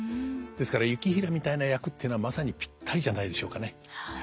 ですから行平みたいな役っていうのはまさにぴったりじゃないでしょうかね。